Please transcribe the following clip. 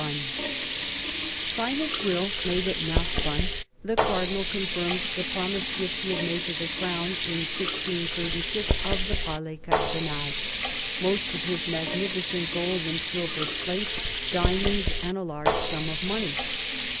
296 CARDINAL DE RICHELIEU By his will, made at Narbonne, the Cardinal confirmed the promised gift he had made to the Crown in 1636 of the Palais Cardinal, most of his magnificent gold and silver plate, diamonds, and a large sum of money.